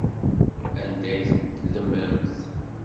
Anda ay ten-tdemmremt?